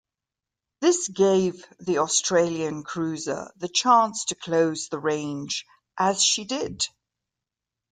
This gave the Australian cruiser the chance to close the range, as she did.